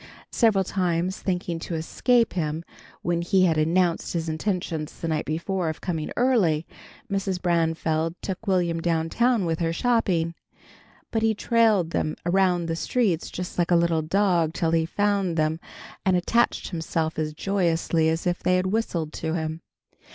Several times, thinking to escape him when he had announced his intention the night before of coming early, Mrs. Branfield took Will'm down town with her, shopping. But he trailed them around the streets just like a little dog till he found them, and attached himself as joyously as if they had whistled to him.